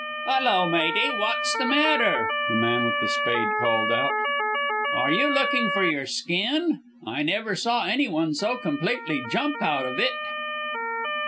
"Hulloa! matey, what's the matter?" the man with the spade called out. "Are you looking for your skin, for I never saw any one so completely jump out of it?"